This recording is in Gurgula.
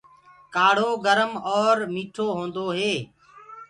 ڪآڙهو گرم اور ميِٺو هوندو هي۔